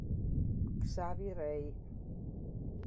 Xavi Rey